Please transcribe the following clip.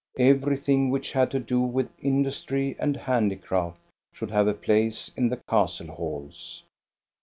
Everything which had to do with industry and handi craft should have a place in the castle halls.